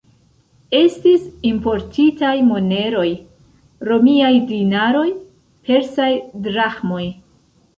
Estis importitaj moneroj: romiaj dinaroj, persaj draĥmoj...